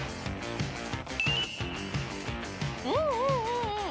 うんうんうんうん。